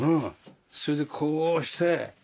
それでこうして。